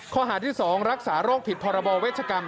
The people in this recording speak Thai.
ข้อหาที่๒รักษาโรคผิดพรบเวชกรรม